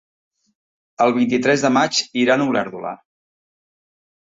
El vint-i-tres de maig iran a Olèrdola.